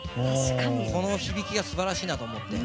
この響きが素晴らしいなと思って。